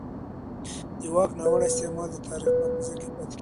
د واک ناوړه استعمال د تاریخ په حافظه کې پاتې کېږي